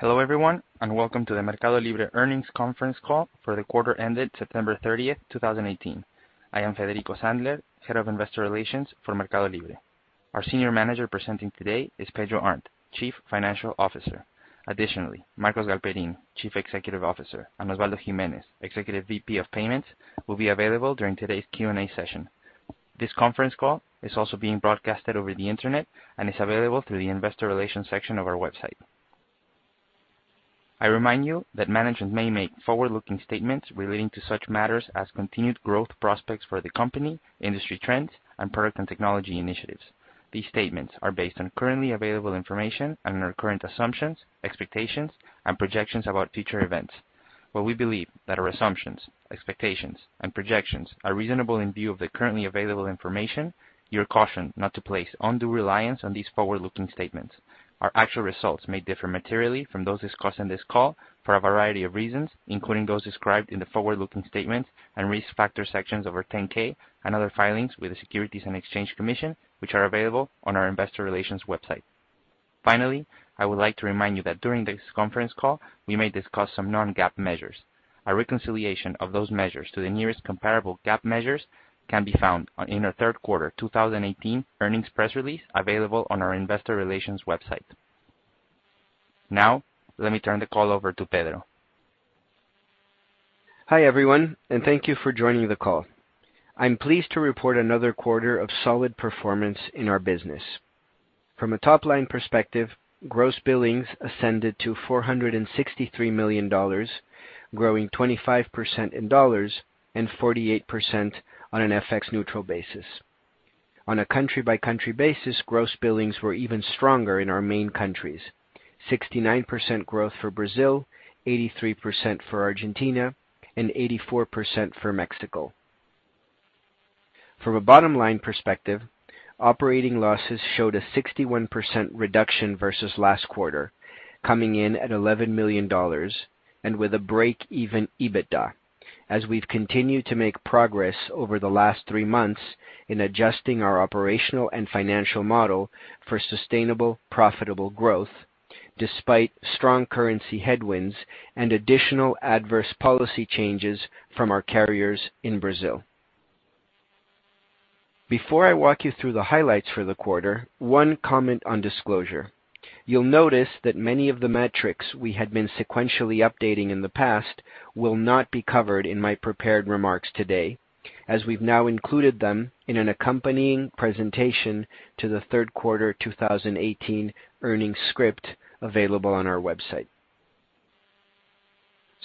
Hello, everyone, welcome to the MercadoLibre earnings conference call for the quarter ended September 30th, 2018. I am Federico Sandler, Head of Investor Relations for MercadoLibre. Our senior manager presenting today is Pedro Arnt, Chief Financial Officer. Additionally, Marcos Galperin, Chief Executive Officer, and Osvaldo Gimenez, Executive VP of Payments, will be available during today's Q&A session. This conference call is also being broadcasted over the internet and is available through the investor relations section of our website. I remind you that management may make forward-looking statements relating to such matters as continued growth prospects for the company, industry trends, and product and technology initiatives. These statements are based on currently available information and on our current assumptions, expectations, and projections about future events. While we believe that our assumptions, expectations, and projections are reasonable in view of the currently available information, you are cautioned not to place undue reliance on these forward-looking statements. Our actual results may differ materially from those discussed on this call for a variety of reasons, including those described in the forward-looking statements and risk factor sections of our 10-K and other filings with the Securities and Exchange Commission, which are available on our investor relations website. Finally, I would like to remind you that during this conference call, we may discuss some non-GAAP measures. A reconciliation of those measures to the nearest comparable GAAP measures can be found in our third quarter 2018 earnings press release, available on our investor relations website. Let me turn the call over to Pedro. Hi, everyone, thank you for joining the call. I'm pleased to report another quarter of solid performance in our business. From a top-line perspective, gross billings ascended to $463 million, growing 25% in dollars and 48% on an FX-neutral basis. On a country-by-country basis, gross billings were even stronger in our main countries, 69% growth for Brazil, 83% for Argentina, and 84% for Mexico. From a bottom-line perspective, operating losses showed a 61% reduction versus last quarter, coming in at $11 million, and with a break-even EBITDA, as we've continued to make progress over the last three months in adjusting our operational and financial model for sustainable, profitable growth, despite strong currency headwinds and additional adverse policy changes from our carriers in Brazil. Before I walk you through the highlights for the quarter, one comment on disclosure. You'll notice that many of the metrics we had been sequentially updating in the past will not be covered in my prepared remarks today, as we've now included them in an accompanying presentation to the third quarter 2018 earnings script available on our website.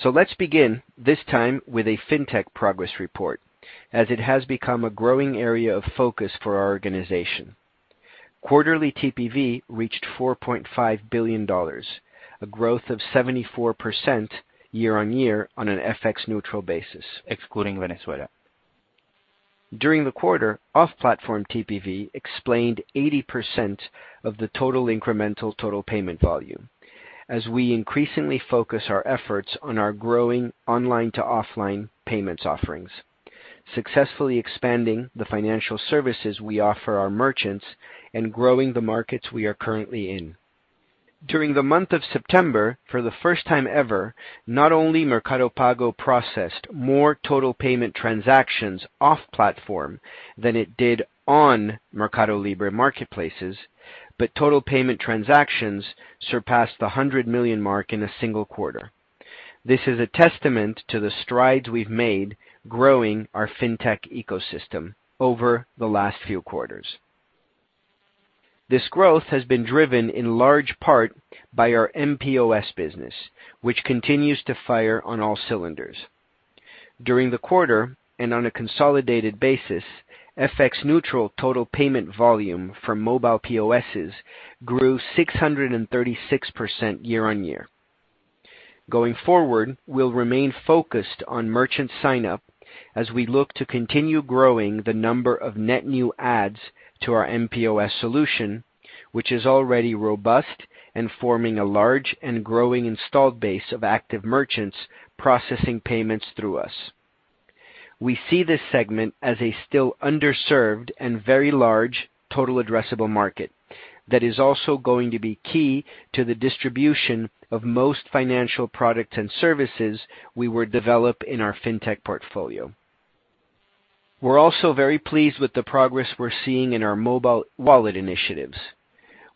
Let's begin this time with a fintech progress report, as it has become a growing area of focus for our organization. Quarterly TPV reached $4.5 billion, a growth of 74% year-on-year on an FX-neutral basis. Excluding Venezuela. During the quarter, off-platform TPV explained 80% of the total incremental total payment volume as we increasingly focus our efforts on our growing online-to-offline payments offerings, successfully expanding the financial services we offer our merchants and growing the markets we are currently in. During the month of September, for the first time ever, not only Mercado Pago processed more total payment transactions off-platform than it did on Mercado Libre marketplaces, but total payment transactions surpassed the 100 million mark in a single quarter. This is a testament to the strides we've made growing our fintech ecosystem over the last few quarters. This growth has been driven in large part by our mPOS business, which continues to fire on all cylinders. During the quarter, and on a consolidated basis, FX-neutral total payment volume for mobile POSs grew 636% year-on-year. Going forward, we'll remain focused on merchant sign-up as we look to continue growing the number of net new adds to our mPOS solution, which is already robust and forming a large and growing installed base of active merchants processing payments through us. We see this segment as a still underserved and very large total addressable market that is also going to be key to the distribution of most financial products and services we would develop in our fintech portfolio. We're also very pleased with the progress we're seeing in our mobile wallet initiatives,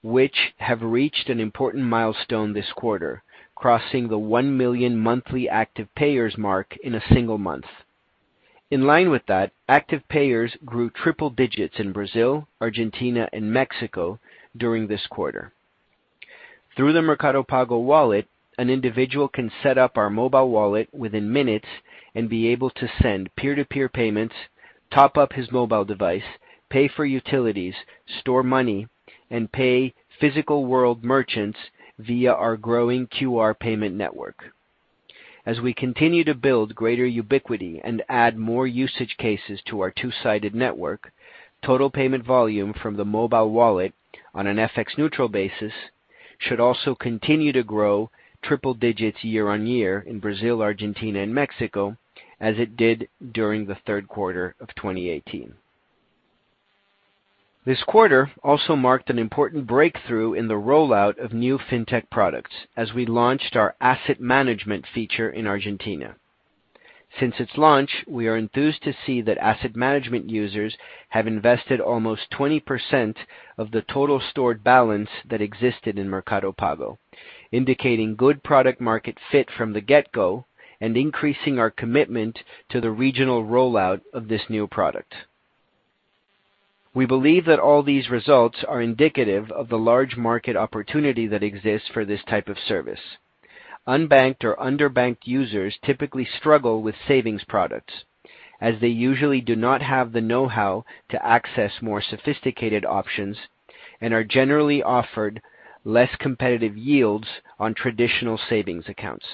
which have reached an important milestone this quarter, crossing the 1 million monthly active payers mark in a single month. In line with that, active payers grew triple digits in Brazil, Argentina, and Mexico during this quarter. Through the Mercado Pago Wallet, an individual can set up our mobile wallet within minutes and be able to send peer-to-peer payments, top up his mobile device, pay for utilities, store money, and pay physical world merchants via our growing QR payment network. As we continue to build greater ubiquity and add more usage cases to our two-sided network, total payment volume from the mobile wallet on an FX-neutral basis should also continue to grow triple digits year-on-year in Brazil, Argentina, and Mexico, as it did during the third quarter of 2018. This quarter also marked an important breakthrough in the rollout of new fintech products as we launched our asset management feature in Argentina. Since its launch, we are enthused to see that asset management users have invested almost 20% of the total stored balance that existed in Mercado Pago, indicating good product-market fit from the get-go and increasing our commitment to the regional rollout of this new product. We believe that all these results are indicative of the large market opportunity that exists for this type of service. Unbanked or underbanked users typically struggle with savings products, as they usually do not have the know-how to access more sophisticated options and are generally offered less competitive yields on traditional savings accounts.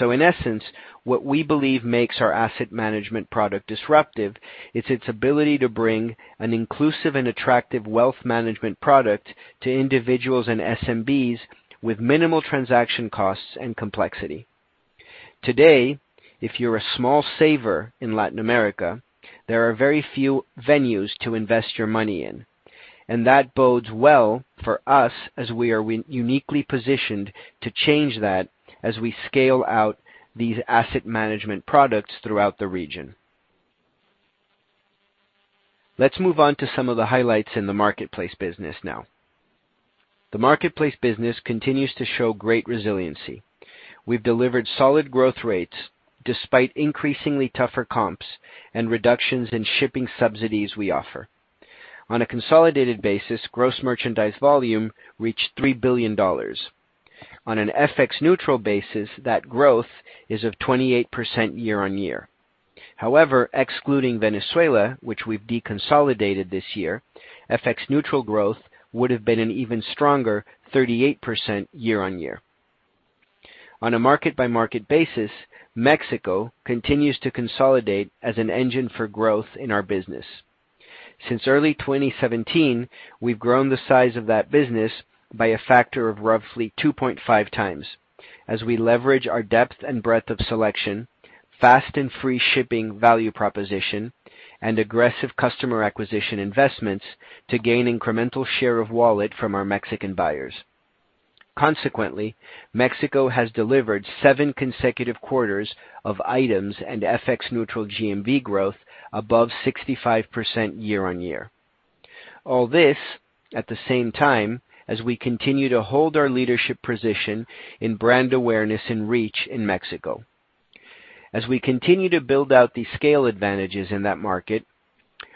In essence, what we believe makes our asset management product disruptive is its ability to bring an inclusive and attractive wealth management product to individuals and SMBs with minimal transaction costs and complexity. Today, if you're a small saver in Latin America, there are very few venues to invest your money in, that bodes well for us as we are uniquely positioned to change that as we scale out these asset management products throughout the region. Let's move on to some of the highlights in the marketplace business now. The marketplace business continues to show great resiliency. We've delivered solid growth rates despite increasingly tougher comps and reductions in shipping subsidies we offer. On a consolidated basis, gross merchandise volume reached $3 billion. On an FX-neutral basis, that growth is of 28% year-on-year. However, excluding Venezuela, which we've deconsolidated this year, FX-neutral growth would have been an even stronger 38% year-on-year. On a market-by-market basis, Mexico continues to consolidate as an engine for growth in our business. Since early 2017, we've grown the size of that business by a factor of roughly 2.5 times as we leverage our depth and breadth of selection, fast and free shipping value proposition, and aggressive customer acquisition investments to gain incremental share of wallet from our Mexican buyers. Consequently, Mexico has delivered seven consecutive quarters of items and FX-neutral GMV growth above 65% year-on-year. All this at the same time as we continue to hold our leadership position in brand awareness and reach in Mexico. As we continue to build out these scale advantages in that market,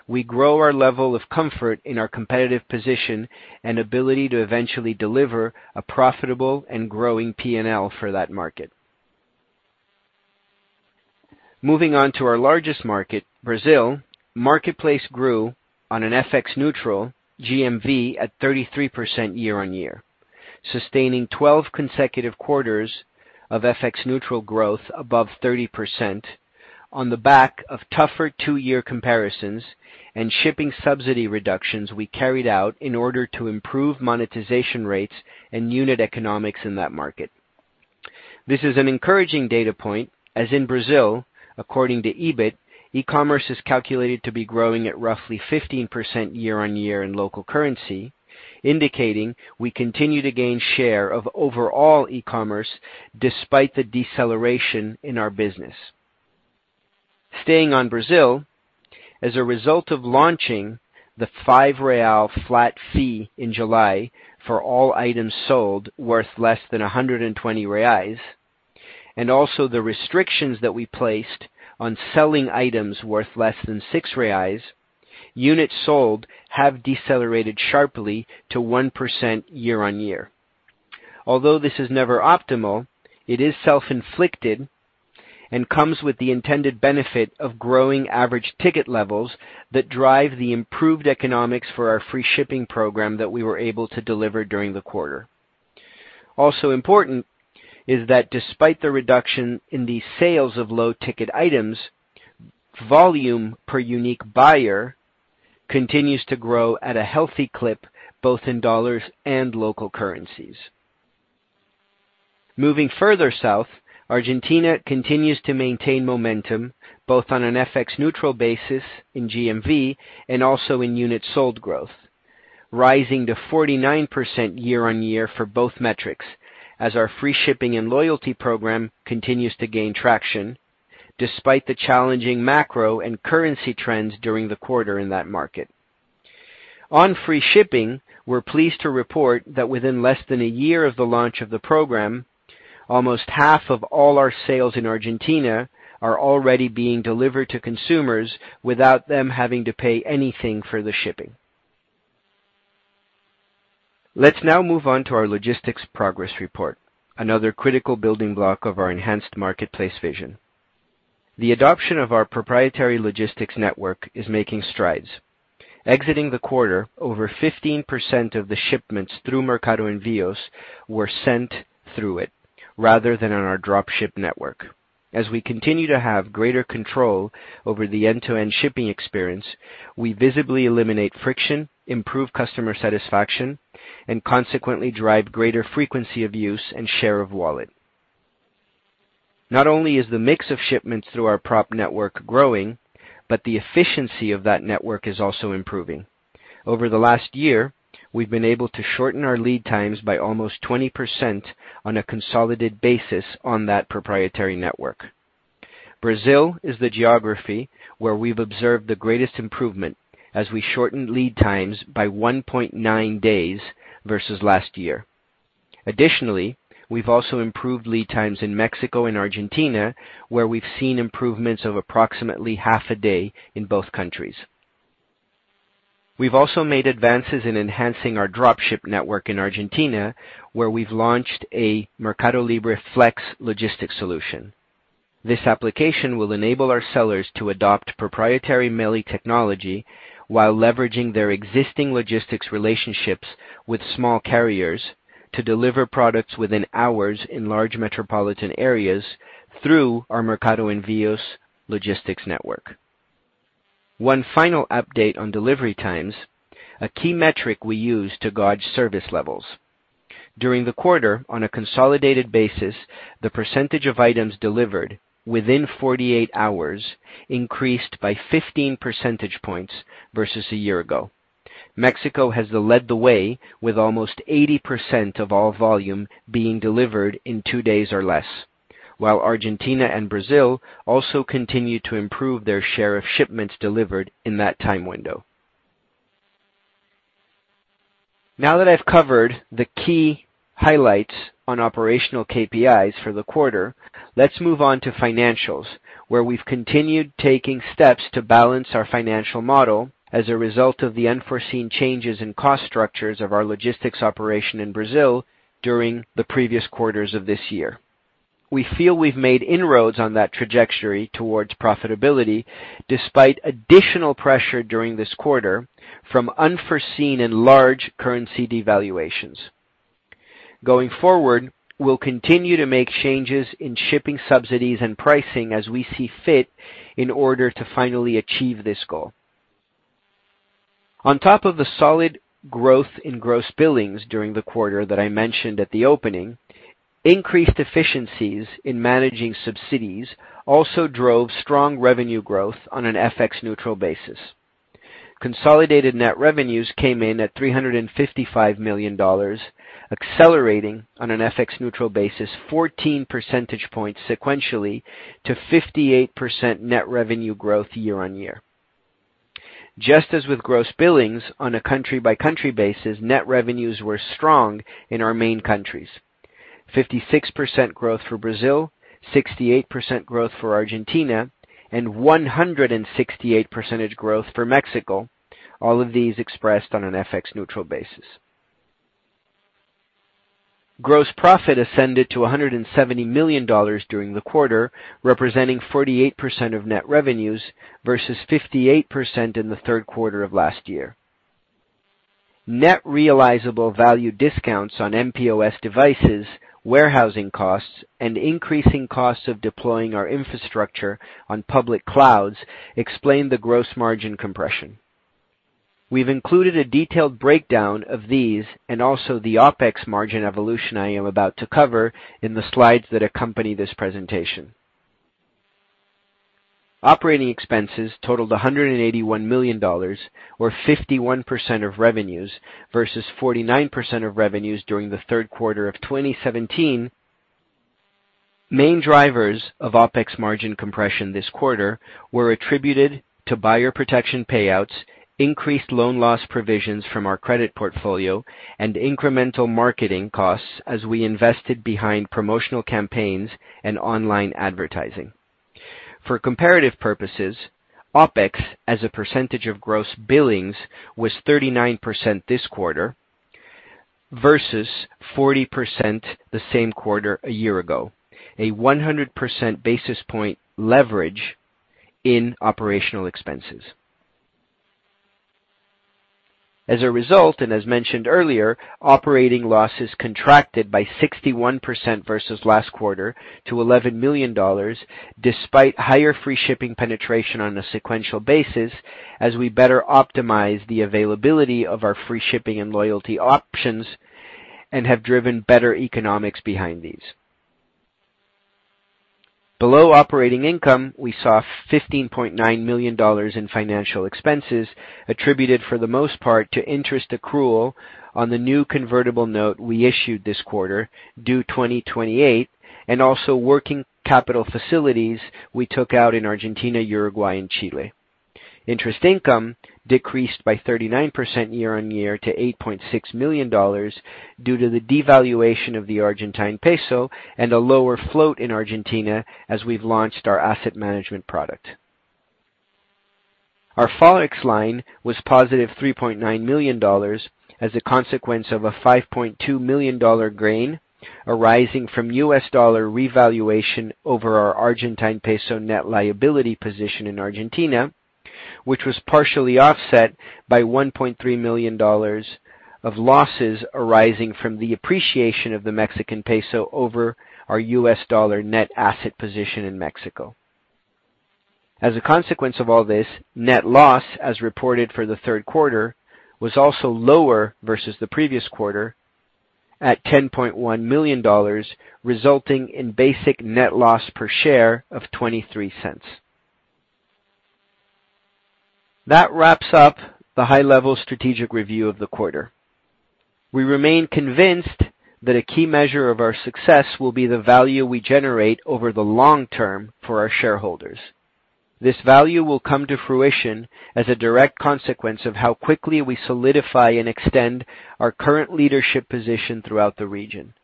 we grow our level of comfort in our competitive position and ability to eventually deliver a profitable and growing P&L for that market. Moving on to our largest market, Brazil, marketplace grew on an FX-neutral GMV at 33% year-on-year, sustaining 12 consecutive quarters of FX-neutral growth above 30% on the back of tougher two-year comparisons and shipping subsidy reductions we carried out in order to improve monetization rates and unit economics in that market. This is an encouraging data point, as in Brazil, according to Ebit, e-commerce is calculated to be growing at roughly 15% year-on-year in local currency, indicating we continue to gain share of overall e-commerce despite the deceleration in our business. Staying on Brazil, as a result of launching the five real flat fee in July for all items sold worth less than 120 reais, and also the restrictions that we placed on selling items worth less than six reais, units sold have decelerated sharply to 1% year-on-year. Although this is never optimal, it is self-inflicted and comes with the intended benefit of growing average ticket levels that drive the improved economics for our free shipping program that we were able to deliver during the quarter. Also important is that despite the reduction in the sales of low-ticket items, volume per unique buyer continues to grow at a healthy clip, both in dollars and local currencies. Moving further south, Argentina continues to maintain momentum, both on an FX-neutral basis in GMV and also in unit sold growth, rising to 49% year-on-year for both metrics as our free shipping and loyalty program continues to gain traction despite the challenging macro and currency trends during the quarter in that market. On free shipping, we're pleased to report that within less than one year of the launch of the program, almost half of all our sales in Argentina are already being delivered to consumers without them having to pay anything for the shipping. Let's now move on to our logistics progress report, another critical building block of our enhanced marketplace vision. The adoption of our proprietary logistics network is making strides. Exiting the quarter, over 15% of the shipments through Mercado Envios were sent through it rather than on our drop ship network. As we continue to have greater control over the end-to-end shipping experience, we visibly eliminate friction, improve customer satisfaction, and consequently drive greater frequency of use and share of wallet. Not only is the mix of shipments through our prop network growing, but the efficiency of that network is also improving. Over the last year, we've been able to shorten our lead times by almost 20% on a consolidated basis on that proprietary network. Brazil is the geography where we've observed the greatest improvement as we shortened lead times by 1.9 days versus last year. Additionally, we've also improved lead times in Mexico and Argentina, where we've seen improvements of approximately half a day in both countries. We've also made advances in enhancing our drop ship network in Argentina, where we've launched a Mercado Libre Flex logistics solution. This application will enable our sellers to adopt proprietary MELI technology while leveraging their existing logistics relationships with small carriers to deliver products within hours in large metropolitan areas through our Mercado Envios logistics network. One final update on delivery times, a key metric we use to gauge service levels. During the quarter, on a consolidated basis, the percentage of items delivered within 48 hours increased by 15 percentage points versus one year ago. Mexico has led the way with almost 80% of all volume being delivered in two days or less. While Argentina and Brazil also continue to improve their share of shipments delivered in that time window. Now that I've covered the key highlights on operational KPIs for the quarter, let's move on to financials, where we've continued taking steps to balance our financial model as a result of the unforeseen changes in cost structures of our logistics operation in Brazil during the previous quarters of this year. We feel we've made inroads on that trajectory towards profitability, despite additional pressure during this quarter from unforeseen and large currency devaluations. Going forward, we'll continue to make changes in shipping subsidies and pricing as we see fit in order to finally achieve this goal. On top of the solid growth in gross billings during the quarter that I mentioned at the opening, increased efficiencies in managing subsidies also drove strong revenue growth on an FX-neutral basis. Consolidated net revenues came in at $355 million, accelerating on an FX-neutral basis 14 percentage points sequentially to 58% net revenue growth year-over-year. Just as with gross billings, on a country-by-country basis, net revenues were strong in our main countries. 56% growth for Brazil, 68% growth for Argentina, and 168% growth for Mexico. All of these expressed on an FX-neutral basis. Gross profit ascended to $170 million during the quarter, representing 48% of net revenues versus 58% in the third quarter of last year. Net realizable value discounts on mPOS devices, warehousing costs, and increasing costs of deploying our infrastructure on public clouds explain the gross margin compression. We've included a detailed breakdown of these and also the OPEX margin evolution I am about to cover in the slides that accompany this presentation. Operating expenses totaled $181 million, or 51% of revenues versus 49% of revenues during the third quarter of 2017. Main drivers of OPEX margin compression this quarter were attributed to buyer protection payouts, increased loan loss provisions from our credit portfolio, and incremental marketing costs as we invested behind promotional campaigns and online advertising. For comparative purposes, OPEX as a percentage of gross billings was 39% this quarter versus 40% the same quarter a year ago, a 100% basis point leverage in operational expenses. As a result, as mentioned earlier, operating losses contracted by 61% versus last quarter to $11 million, despite higher free shipping penetration on a sequential basis as we better optimize the availability of our free shipping and loyalty options and have driven better economics behind these. Below operating income, we saw $15.9 million in financial expenses attributed for the most part to interest accrual on the new convertible note we issued this quarter due 2028, and also working capital facilities we took out in Argentina, Uruguay, and Chile. Interest income decreased by 39% year-over-year to $8.6 million due to the devaluation of the Argentine peso and a lower float in Argentina as we've launched our asset management product. Our FOREX line was positive $3.9 million as a consequence of a $5.2 million gain arising from US dollar revaluation over our Argentine peso net liability position in Argentina, which was partially offset by $1.3 million of losses arising from the appreciation of the Mexican peso over our US dollar net asset position in Mexico. As a consequence of all this, net loss, as reported for the third quarter, was also lower versus the previous quarter at $10.1 million, resulting in basic net loss per share of $0.23. That wraps up the high-level strategic review of the quarter. We remain convinced that a key measure of our success will be the value we generate over the long term for our shareholders. This value will come to fruition as a direct consequence of how quickly we solidify and extend our current leadership position throughout the region.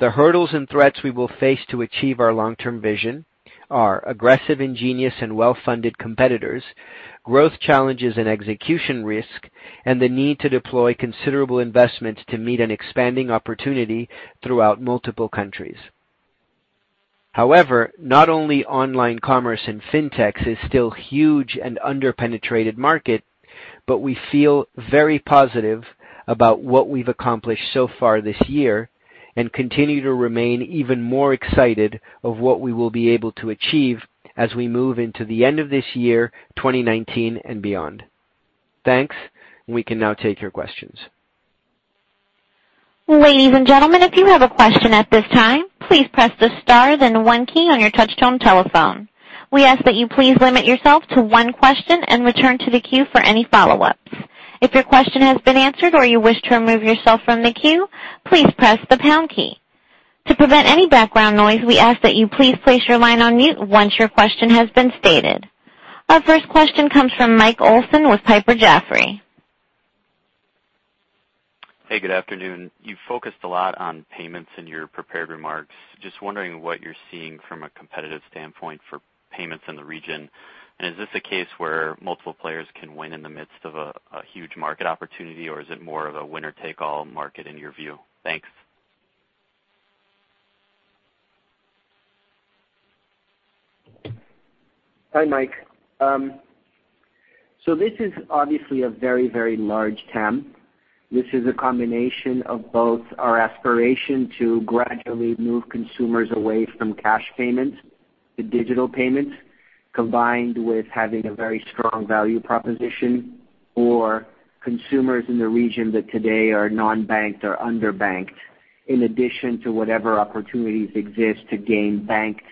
The hurdles and threats we will face to achieve our long-term vision are aggressive, ingenious, and well-funded competitors, growth challenges and execution risk, and the need to deploy considerable investments to meet an expanding opportunity throughout multiple countries. Not only online commerce and Fintech is still huge and under-penetrated market, but we feel very positive about what we've accomplished so far this year and continue to remain even more excited of what we will be able to achieve as we move into the end of this year, 2019, and beyond. Thanks. We can now take your questions. Ladies and gentlemen, if you have a question at this time, please press the star then 1 key on your touchtone telephone. We ask that you please limit yourself to one question and return to the queue for any follow-ups. If your question has been answered or you wish to remove yourself from the queue, please press the pound key. To prevent any background noise, we ask that you please place your line on mute once your question has been stated. Our first question comes from Mike Olson with Piper Jaffray. Hey, good afternoon. You focused a lot on payments in your prepared remarks. Just wondering what you're seeing from a competitive standpoint for payments in the region. Is this a case where multiple players can win in the midst of a huge market opportunity, or is it more of a winner-take-all market in your view? Thanks. Hi, Mike. This is obviously a very large TAM. This is a combination of both our aspiration to gradually move consumers away from cash payments to digital payments, combined with having a very strong value proposition for consumers in the region that today are non-banked or underbanked, in addition to whatever opportunities exist to gain banked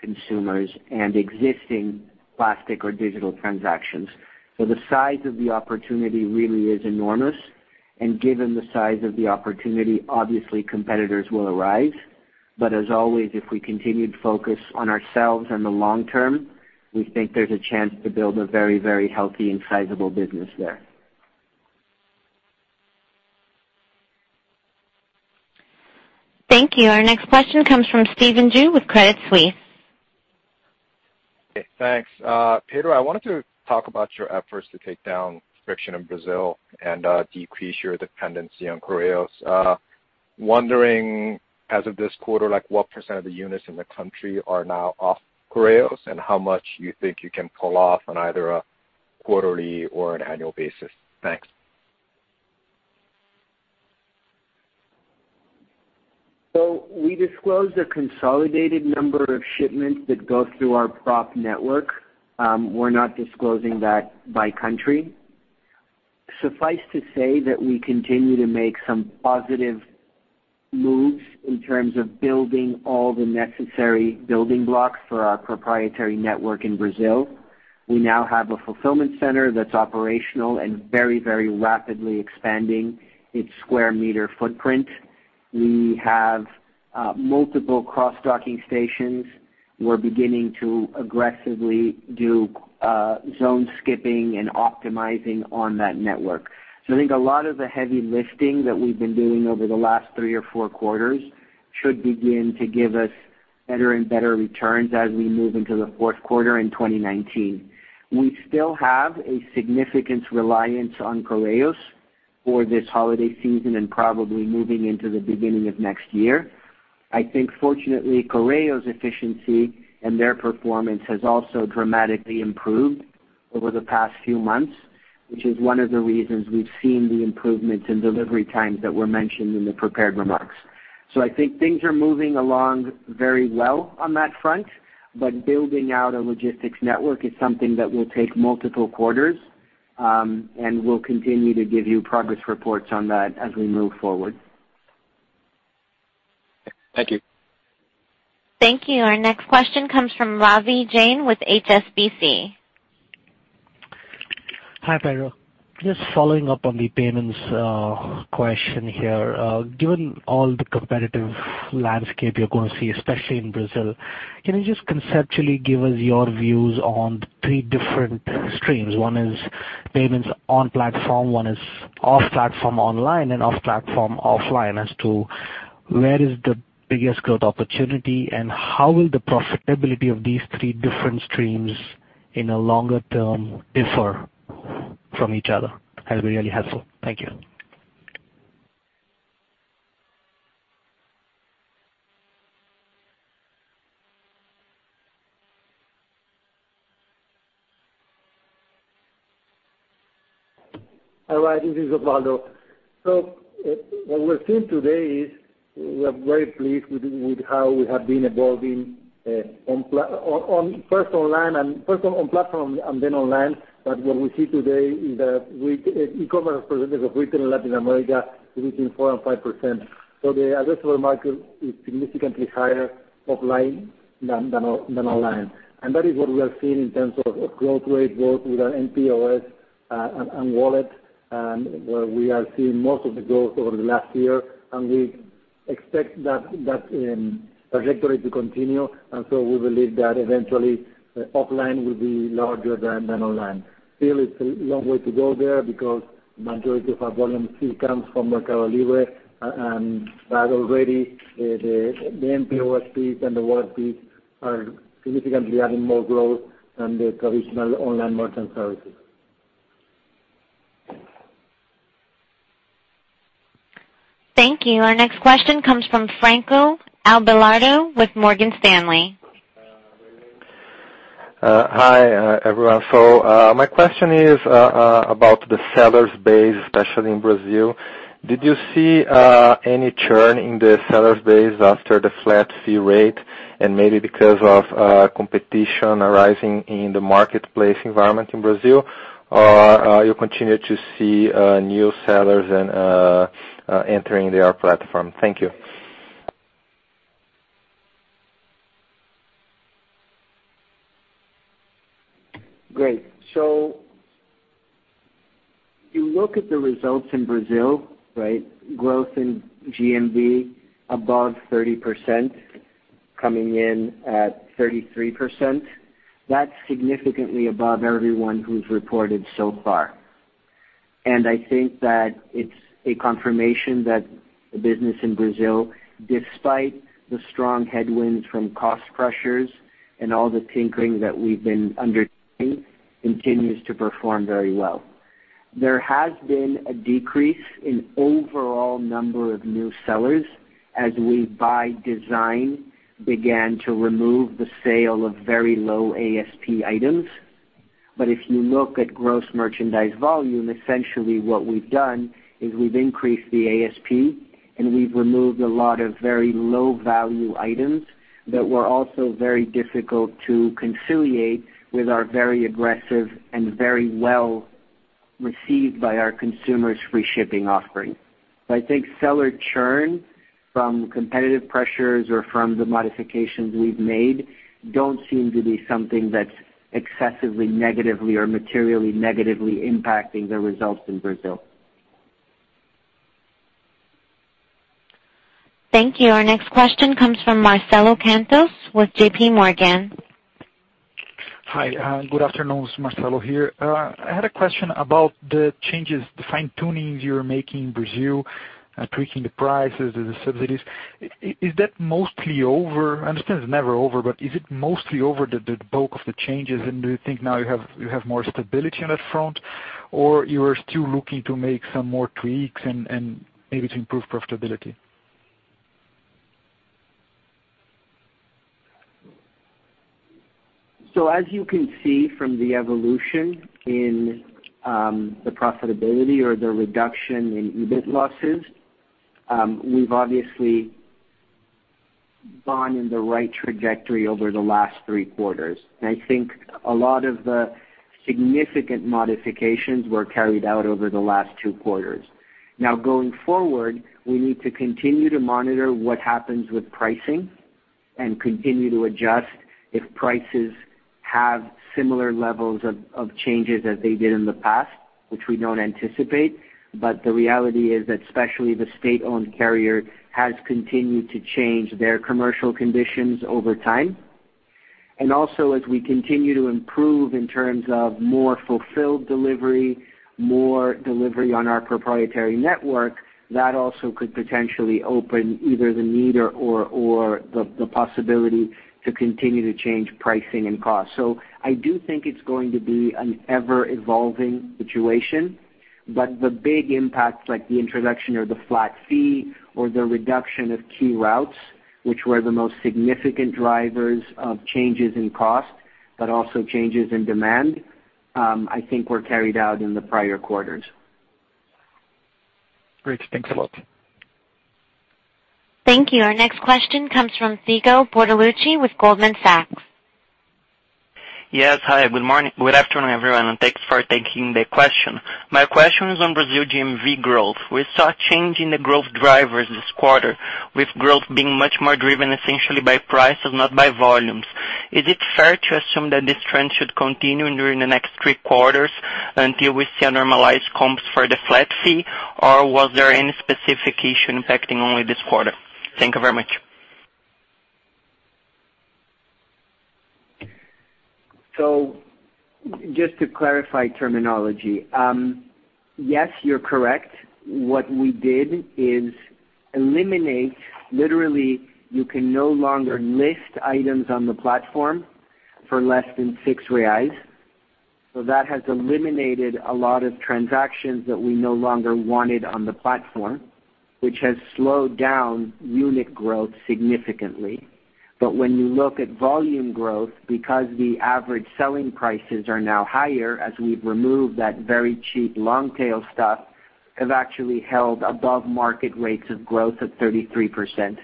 consumers and existing plastic or digital transactions. The size of the opportunity really is enormous, and given the size of the opportunity, obviously competitors will arise. As always, if we continued focus on ourselves and the long term, we think there's a chance to build a very healthy and sizable business there. Thank you. Our next question comes from Stephen Ju with Credit Suisse. Hey, thanks. Pedro, I wanted to talk about your efforts to take down friction in Brazil and decrease your dependency on Correios. Wondering, as of this quarter, what % of the units in the country are now off Correios, and how much you think you can pull off on either a quarterly or an annual basis. Thanks. We disclosed a consolidated number of shipments that go through our prop network. We're not disclosing that by country. Suffice to say that we continue to make some positive moves in terms of building all the necessary building blocks for our proprietary network in Brazil. We now have a fulfillment center that's operational and very rapidly expanding its square meter footprint. We have multiple cross-docking stations. We're beginning to aggressively do zone skipping and optimizing on that network. I think a lot of the heavy lifting that we've been doing over the last three or four quarters should begin to give us better and better returns as we move into the fourth quarter in 2019. We still have a significant reliance on Correios for this holiday season and probably moving into the beginning of next year. I think fortunately, Correios' efficiency and their performance has also dramatically improved over the past few months, which is one of the reasons we've seen the improvements in delivery times that were mentioned in the prepared remarks. I think things are moving along very well on that front, but building out a logistics network is something that will take multiple quarters, and we'll continue to give you progress reports on that as we move forward. Thank you. Thank you. Our next question comes from Ravi Jain with HSBC. Hi, Pedro. Just following up on the payments question here. Given all the competitive landscape you're going to see, especially in Brazil, can you just conceptually give us your views on three different streams? One is payments on-platform, one is off-platform online, and off-platform offline as to where is the biggest growth opportunity, and how will the profitability of these three different streams in a longer term differ from each other as we really assess? Thank you. This is Osvaldo. What we're seeing today is we are very pleased with how we have been evolving, first on platform and then online. What we see today is that e-commerce percentage of retail in Latin America is between 4% and 5%. The addressable market is significantly higher offline than online. That is what we are seeing in terms of growth rate, both with our mPOS and wallet, where we are seeing most of the growth over the last year. We expect that trajectory to continue. We believe that eventually offline will be larger than online. Still it's a long way to go there because majority of our volume still comes from MercadoLibre. Already, the mPOS fees and the wallet fees are significantly adding more growth than the traditional online merchant services. Thank you. Our next question comes from Franco Albillardo with Morgan Stanley. Hi, everyone. My question is about the sellers base, especially in Brazil. Did you see any churn in the sellers base after the flat-fee rate, and maybe because of competition arising in the marketplace environment in Brazil? You continue to see new sellers entering their platform? Thank you. Great. You look at the results in Brazil, right? Growth in GMV above 30%, coming in at 33%. That's significantly above everyone who's reported so far. I think that it's a confirmation that the business in Brazil, despite the strong headwinds from cost pressures and all the tinkering that we've been undertaking, continues to perform very well. There has been a decrease in overall number of new sellers as we, by design, began to remove the sale of very low ASP items. If you look at gross merchandise volume, essentially what we've done is we've increased the ASP, and we've removed a lot of very low-value items that were also very difficult to conciliate with our very aggressive and very well-received by our consumers, free shipping offering. I think seller churn from competitive pressures or from the modifications we've made, don't seem to be something that's excessively negatively or materially negatively impacting the results in Brazil. Thank you. Our next question comes from Marcelo Santos with JP Morgan. Hi. Good afternoon. It's Marcelo here. I had a question about the changes, the fine-tuning you're making in Brazil, tweaking the prices, the subsidies. Is that mostly over? I understand it's never over, but is it mostly over, the bulk of the changes? Do you think now you have more stability on that front, or you are still looking to make some more tweaks and maybe to improve profitability? As you can see from the evolution in the profitability or the reduction in EBIT losses, we've obviously gone in the right trajectory over the last three quarters. I think a lot of the significant modifications were carried out over the last two quarters. Now, going forward, we need to continue to monitor what happens with pricing and continue to adjust if prices have similar levels of changes as they did in the past, which we don't anticipate. The reality is that especially the state-owned carrier has continued to change their commercial conditions over time. Also, as we continue to improve in terms of more fulfilled delivery, more delivery on our proprietary network, that also could potentially open either the need or the possibility to continue to change pricing and cost. I do think it's going to be an ever-evolving situation, but the big impacts like the introduction of the flat fee or the reduction of key routes, which were the most significant drivers of changes in cost, but also changes in demand, I think were carried out in the prior quarters. Great. Thanks a lot. Thank you. Our next question comes from Thiago Bortoluci with Goldman Sachs. Yes. Hi, good morning. Good afternoon, everyone, and thanks for taking the question. My question is on Brazil GMV growth. We saw a change in the growth drivers this quarter, with growth being much more driven essentially by prices, not by volumes. Is it fair to assume that this trend should continue during the next three quarters until we see a normalized comps for the flat fee, or was there any specific issue impacting only this quarter? Thank you very much. Just to clarify terminology. Yes, you're correct. What we did is eliminate, literally, you can no longer list items on the platform for less than 6 reais. That has eliminated a lot of transactions that we no longer wanted on the platform. Which has slowed down unit growth significantly. When you look at volume growth, because the average selling prices are now higher as we've removed that very cheap long-tail stuff, have actually held above market rates of growth of 33%.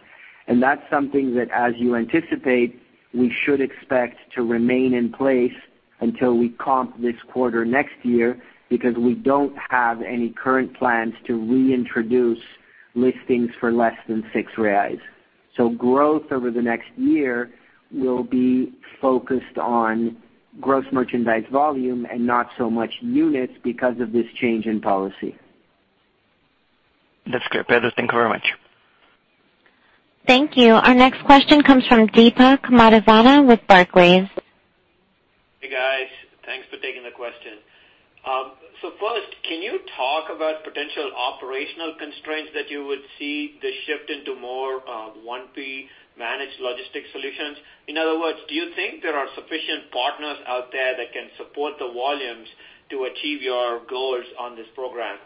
That's something that, as you anticipate, we should expect to remain in place until we comp this quarter next year, because we don't have any current plans to reintroduce listings for less than 6 reais. Growth over the next year will be focused on gross merchandise volume and not so much units because of this change in policy. That's great. Pedro, thank you very much. Thank you. Our next question comes from Deepak Mathivanan with Barclays. Hey, guys. Thanks for taking the question. First, can you talk about potential operational constraints that you would see the shift into more 1P managed logistic solutions? In other words, do you think there are sufficient partners out there that can support the volumes to achieve your goals on this program?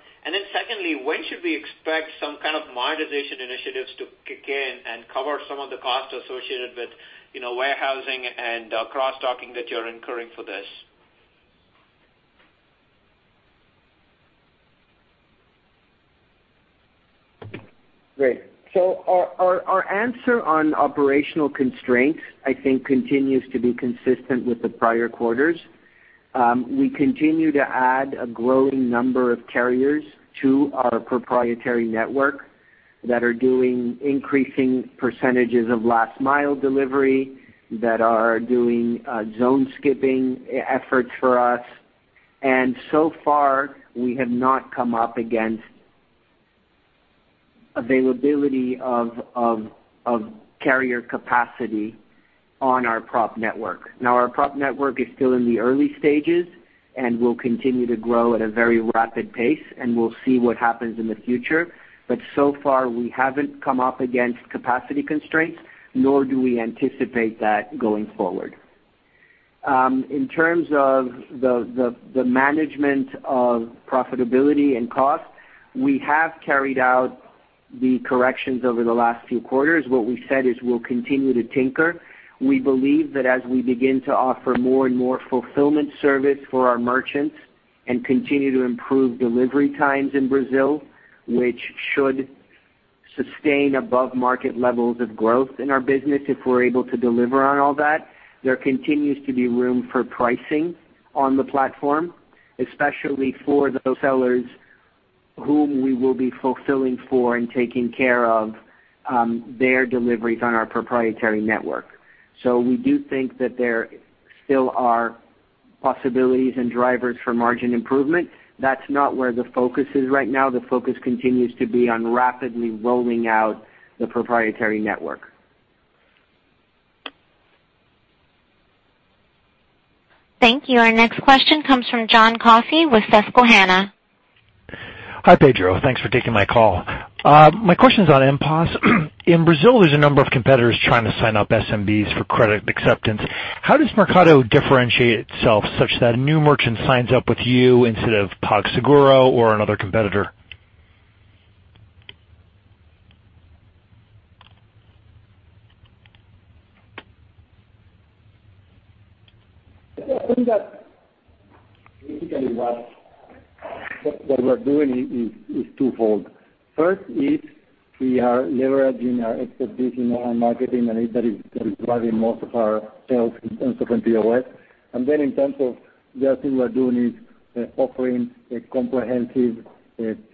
Secondly, when should we expect some kind of monetization initiatives to kick in and cover some of the costs associated with warehousing and cross-docking that you're incurring for this? Great. Our answer on operational constraints, I think, continues to be consistent with the prior quarters. We continue to add a growing number of carriers to our proprietary network that are doing increasing percentages of last-mile delivery, that are doing zone-skipping efforts for us. So far, we have not come up against availability of carrier capacity on our prop network. Now, our prop network is still in the early stages and will continue to grow at a very rapid pace, and we'll see what happens in the future. So far, we haven't come up against capacity constraints, nor do we anticipate that going forward. In terms of the management of profitability and cost, we have carried out the corrections over the last few quarters. What we said is we'll continue to tinker. We believe that as we begin to offer more and more fulfillment service for our merchants and continue to improve delivery times in Brazil, which should sustain above-market levels of growth in our business if we're able to deliver on all that, there continues to be room for pricing on the platform, especially for those sellers whom we will be fulfilling for and taking care of their deliveries on our proprietary network. We do think that there still are possibilities and drivers for margin improvement. That's not where the focus is right now. The focus continues to be on rapidly rolling out the proprietary network. Thank you. Our next question comes from John Coffey with Susquehanna. Hi, Pedro. Thanks for taking my call. My question's on mPOS. In Brazil, there's a number of competitors trying to sign up SMBs for credit acceptance. How does Mercado differentiate itself such that a new merchant signs up with you instead of PagSeguro or another competitor? I think that basically what we're doing is twofold. First is we are leveraging our expertise in online marketing, and that is driving most of our sales in terms of mPOS. In terms of the other thing we are doing is offering a comprehensive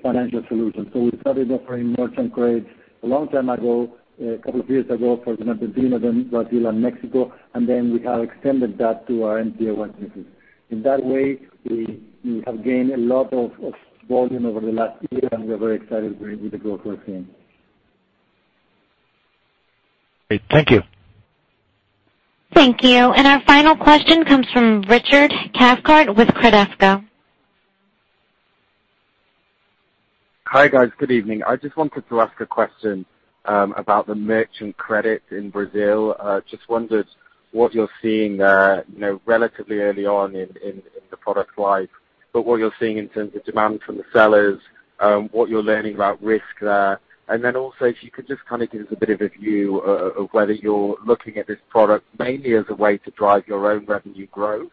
financial solution. We started offering merchant credits a long time ago, a couple of years ago, first in Argentina, then Brazil and Mexico, and then we have extended that to our mPOS business. In that way, we have gained a lot of volume over the last year, and we are very excited with the growth we're seeing. Great. Thank you. Thank you. Our final question comes from Richard Cathcart with Bradesco. Hi, guys. Good evening. I just wanted to ask a question about the merchant credit in Brazil. Just wondered what you're seeing there, relatively early on in the product life, but what you're seeing in terms of demand from the sellers, what you're learning about risk there. Also, if you could just kind of give us a bit of a view of whether you're looking at this product mainly as a way to drive your own revenue growth,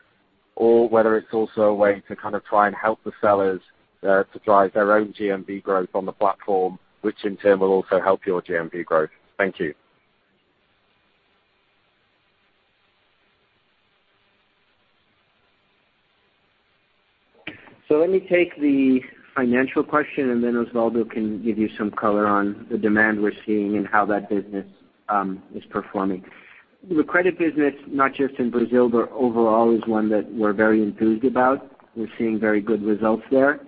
or whether it's also a way to kind of try and help the sellers to drive their own GMV growth on the platform, which in turn will also help your GMV growth. Thank you. Let me take the financial question. Osvaldo can give you some color on the demand we're seeing and how that business is performing. The credit business, not just in Brazil, but overall, is one that we're very enthused about. We're seeing very good results there.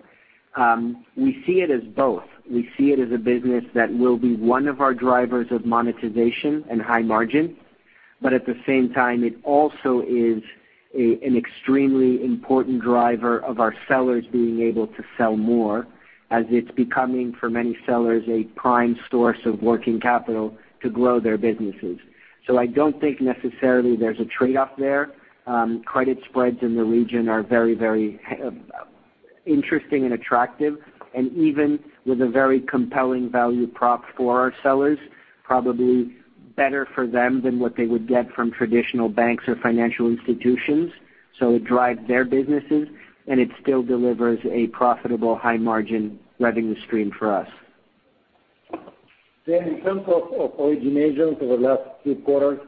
We see it as both. We see it as a business that will be one of our drivers of monetization and high margin. At the same time, it also is an extremely important driver of our sellers being able to sell more as it's becoming, for many sellers, a prime source of working capital to grow their businesses. I don't think necessarily there's a trade-off there. Credit spreads in the region are very interesting and attractive, and even with a very compelling value prop for our sellers, probably better for them than what they would get from traditional banks or financial institutions. It drives their businesses, and it still delivers a profitable high margin revenue stream for us. In terms of originations over the last 3 quarters,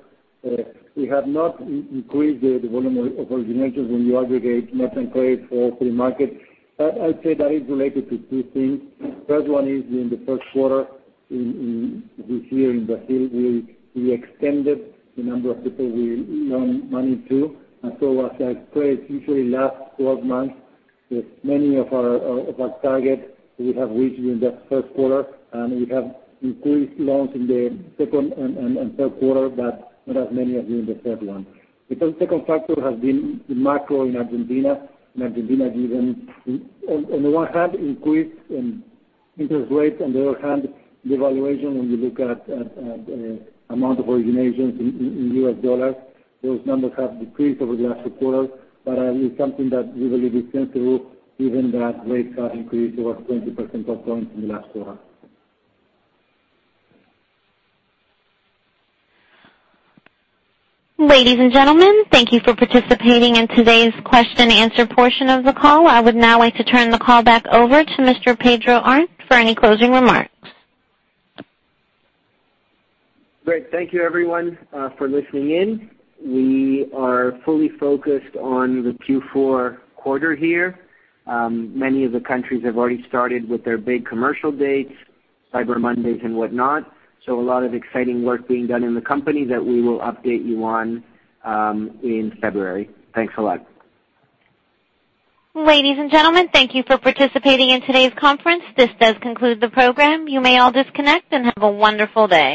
we have not increased the volume of originations when you aggregate net and credit for all free markets. I'd say that is related to two things. First one is in the first quarter this year in Brazil, we extended the number of people we loaned money to. As I said, credit usually lasts 12 months, with many of our target we have reached in the first quarter, and we have increased loans in the second and third quarter, but not as many as in the third one. The second factor has been the macro in Argentina. In Argentina, given, on the one hand, increased interest rates, on the other hand, devaluation when you look at amount of originations in US dollars. Those numbers have decreased over the last quarter, it's something that we believe is sensible given that rates have increased over 20 percentage points in the last quarter. Ladies and gentlemen, thank you for participating in today's question and answer portion of the call. I would now like to turn the call back over to Mr. Pedro Arnt for any closing remarks. Great. Thank you everyone for listening in. We are fully focused on the Q4 quarter here. Many of the countries have already started with their big commercial dates, Cyber Monday and whatnot. A lot of exciting work being done in the company that we will update you on in February. Thanks a lot. Ladies and gentlemen, thank you for participating in today's conference. This does conclude the program. You may all disconnect and have a wonderful day.